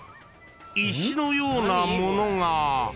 石のようなものが］